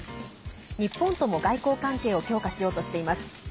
日本とも、外交関係を強化しようとしています。